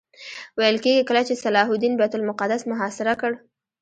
ویل کېږي کله چې صلاح الدین بیت المقدس محاصره کړ.